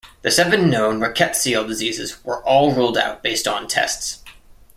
The seven known rickettsial diseases were all ruled out based on tests.